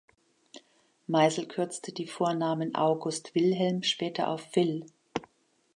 Meisel kürzte die Vornamen August Wilhelm später auf Will.